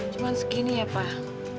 cuma segini ya pak